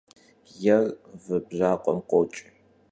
Yêr vı bjakhuem khoç'.